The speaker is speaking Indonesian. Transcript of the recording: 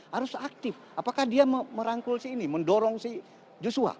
harus aktif apakah dia merangkul si ini mendorong si joshua